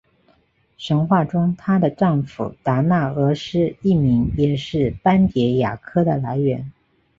神话中她的丈夫达那俄斯一名也是斑蝶亚科的来源。